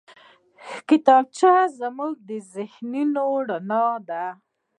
کتابچه زموږ ذهني رڼا ده